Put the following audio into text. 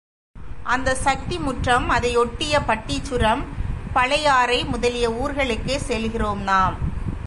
அந்தச் சக்திமுற்றம் அதை யொட்டிய பட்டீச்சுரம், பழையாறை முதலிய ஊர்களுக்கே செல்கிறோம் நாம்.